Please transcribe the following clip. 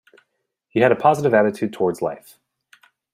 He had a positive attitude towards life.